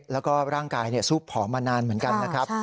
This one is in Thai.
แล้วก็ร่างกายซูบผอมมานานเหมือนกันนะครับ